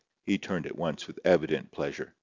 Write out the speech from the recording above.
He turned at once with evident pleasure.